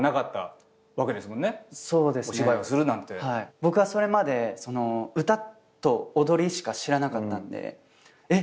僕はそれまで歌と踊りしか知らなかったんでえっ？